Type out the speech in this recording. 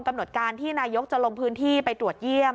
กำหนดการที่นายกจะลงพื้นที่ไปตรวจเยี่ยม